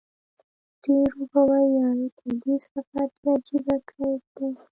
ډېرو به ویل په دې سفر کې عجیب کیف دی.